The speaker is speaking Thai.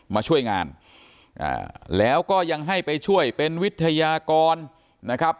มาช่วยงานแล้วก็ยังให้ไปช่วยเป็นวิทยากรนะครับ